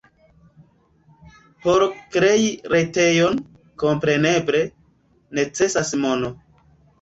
Por krei retejon, kompreneble, necesas mono.